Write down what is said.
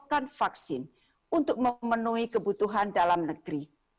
pasukan vaksin untuk memenuhi kebutuhan dalam negeri